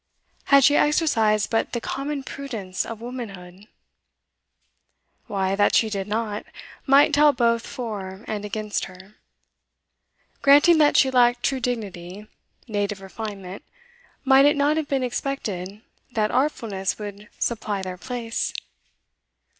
Had she exercised but the common prudence of womanhood! Why, that she did not, might tell both for and against her. Granting that she lacked true dignity, native refinement, might it not have been expected that artfulness would supply their place?